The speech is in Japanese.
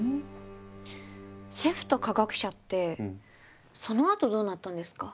シェフと科学者ってそのあとどうなったんですか？